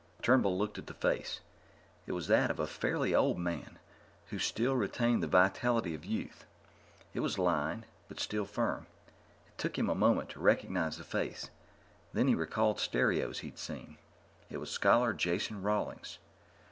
Turnbull looked at the face. It was that of a fairly old man who still retained the vitality of youth. It was lined, but still firm. It took him a moment to recognize the face then he recalled stereos he'd seen. It was Scholar Jason Rawlings.